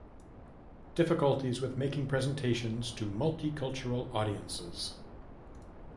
Difficulties with making presentations to multicultural audiences